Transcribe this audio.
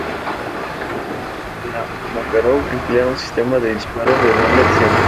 La Makarov emplea un sistema de disparo de doble acción.